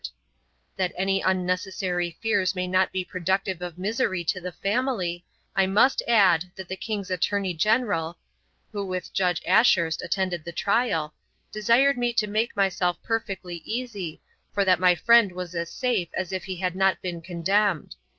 That any unnecessary fears may not be productive of misery to the family, I must add, that the king's attorney general (who with Judge Ashurst attended the trial) desired me to make myself perfectly easy, for that my friend was as safe as if he had not been condemned.